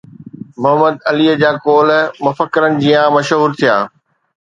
محمد عليءَ جا قول مفڪرن جيان مشهور ٿيا